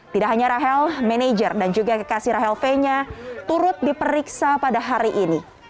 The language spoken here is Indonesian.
tidak hanya rahel manajer dan juga kekasih rahel fenya turut diperiksa pada hari ini